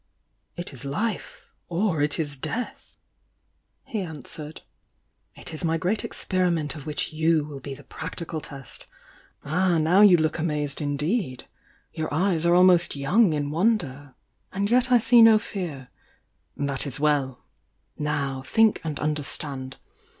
"It is life, — or it is death!" he answered. "It is my Great Experiment of which you will be the prac tical test! Ah, now you look amazed indeed! — ^your THE YOUNG DIANA 137 eyes are almost young in wonder!— and yet I see no aS'Ii.' "*"^■^"'^"^^''"'' a"d understand!